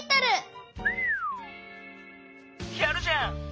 やるじゃん。